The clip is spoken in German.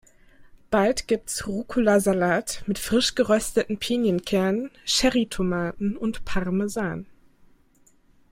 Bald gibt's Rucola-Salat mit frisch gerösteten Pinienkernen, Cherry-Tomaten und Parmesan.